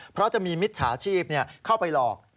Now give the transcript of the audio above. เพราะจะมีมิจฉาชีพเข้าไปหลอก